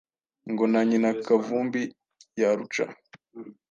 ngo na nyina Kavumbi yaruca.